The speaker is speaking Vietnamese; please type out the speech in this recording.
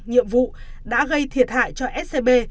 nhiệm vụ đã gây thiệt hại cho scb